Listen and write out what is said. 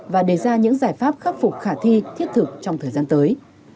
và đề ra những giải pháp khắc phục khả thi thiết thực trong thời gian tới